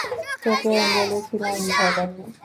তোকে বলেছিলাম, ভবানী।